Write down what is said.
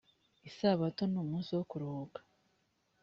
isabato numunsi wo kuruhuka .